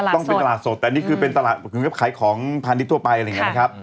ต้องเป็นตลาดสดแต่นี่คือเป็นตลาดคือเงียบขายของพาณิชยทั่วไปอะไรอย่างนี้นะครับ